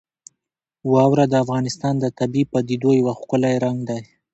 واوره د افغانستان د طبیعي پدیدو یو ښکلی رنګ دی.